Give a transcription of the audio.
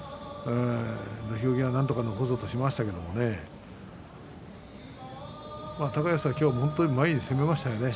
土俵際なんとか残そうとしましたけれども高安は本当によく前に攻めましたよね。